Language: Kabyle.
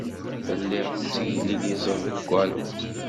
Telliḍ tetteglilizeḍ deg waluḍ.